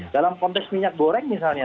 dalam konteks minyak goreng misalnya